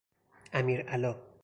امیرعلا